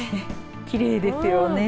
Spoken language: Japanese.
きれいですよね。